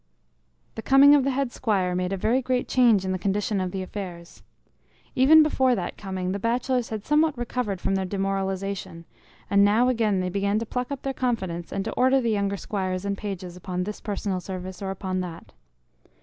The coming of the head squire made a very great change in the condition of affairs. Even before that coming the bachelors had somewhat recovered from their demoralization, and now again they began to pluck up their confidence and to order the younger squires and pages upon this personal service or upon that.